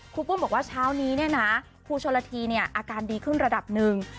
ปุ้มบอกว่าเช้านี้เนี่ยนะครูชนละทีเนี่ยอาการดีขึ้นระดับหนึ่ง